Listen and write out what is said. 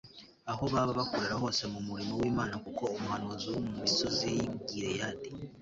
aho baba bakorera hose mu murimo wImana kuko umuhanuzi wo mu misozi yi Gileyadi